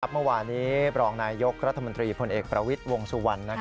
เมื่อวานี้บรองนายยกรัฐมนตรีพลเอกประวิทย์วงสุวรรณ